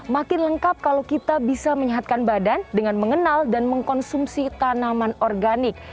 makin lengkap kalau kita bisa menyehatkan badan dengan mengenal dan mengkonsumsi tanaman organik